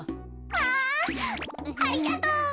わありがとう。